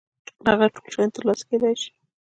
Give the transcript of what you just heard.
هغه ټول شيان تر لاسه کېدای شي.